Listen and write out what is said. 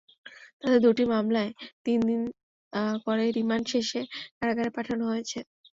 তাঁদের দুটি মামলায় তিন দিন করে রিমান্ড শেষে কারাগারে পাঠানো হয়েছে।